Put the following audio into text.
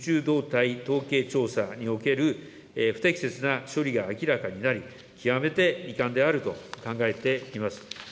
動態統計調査における不適切な処理が明らかになり、極めて遺憾であると考えています。